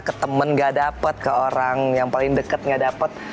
ke temen gak dapet ke orang yang paling deket gak dapet